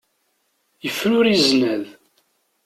Yefruri zznad.